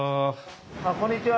あっこんにちは。